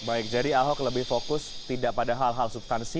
baik jadi ahok lebih fokus tidak pada hal hal substansi